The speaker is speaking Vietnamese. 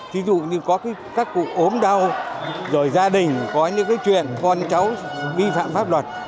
thí dụ như có các cụ ốm đau rồi gia đình có những cái chuyện con cháu vi phạm pháp luật